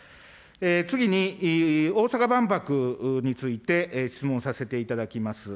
次に大阪万博について質問させていただきます。